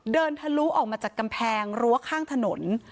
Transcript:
ทะลุออกมาจากกำแพงรั้วข้างถนน